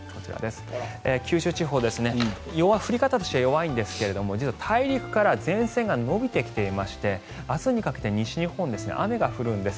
九州地方、降り方としては弱いんですけれども大陸から前線が延びてきていまして明日にかけて西日本雨が降るんです。